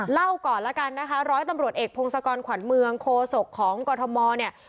เล่าก่อนแล้วกันนะคะร้อยตำรวจเอกพงศกรขวัญเมืองโคศกของกรทมเนี่ย